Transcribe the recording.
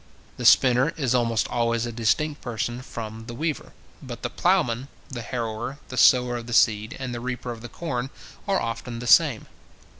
The spinner is almost always a distinct person from the weaver; but the ploughman, the harrower, the sower of the seed, and the reaper of the corn, are often the same.